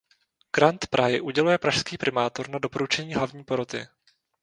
Grant Prahy uděluje pražský primátor na doporučení hlavní poroty.